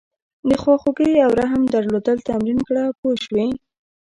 د خواخوږۍ او رحم درلودل تمرین کړه پوه شوې!.